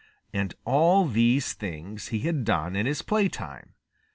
And all these things he had done in his playtime.